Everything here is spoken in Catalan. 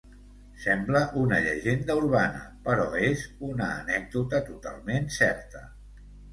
Sembla una llegenda urbana, però és una anècdota totalment certa.